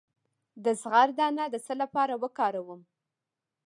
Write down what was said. د زغر دانه د څه لپاره وکاروم؟